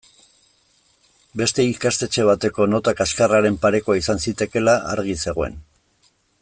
Beste ikastetxe bateko nota kaxkarraren parekoa izan zitekeela argi zegoen.